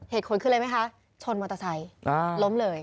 เห็นคนขึ้นเลยไหมคะชนมอเตอร์ไซค์ล้มเลย